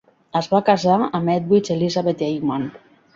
Es va casar amb Hedvig Elisabeth Ekman.